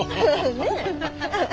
ねえ？